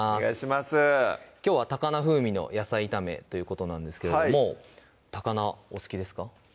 きょうは「高菜風味の野菜炒め」ということなんですけれども高菜お好きですか？